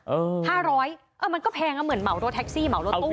๕๐๐เออมันก็แพงอ่ะเหมือนเหมารถแท็กซี่เหมารถตู้